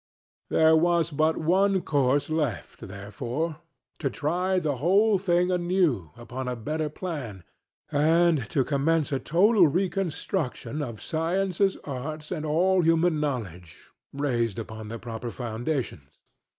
There was but one course left, therefore, to try the whole thing anew upon a better plan, and to commence a total reconstruction of sciences, arts, and all human knowledge, raised upon the proper foundations.